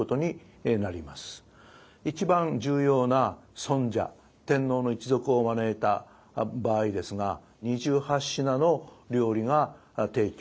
一番重要な尊者天皇の一族を招いた場合ですが２８品の料理が提供されます。